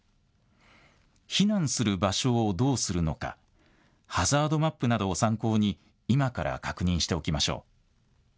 避難する場所をどうするのか、ハザードマップなどを参考に今から確認しておきましょう。